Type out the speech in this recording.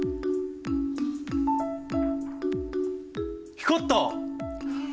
光った！え？